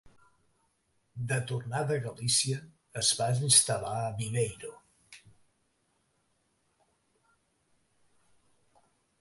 De tornada a Galícia, es va instal·lar a Viveiro.